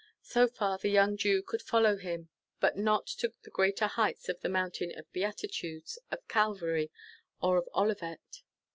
So far the young Jew could follow him, but not to the greater heights of the Mountain of Beatitudes, of Calvary, or of Olivet.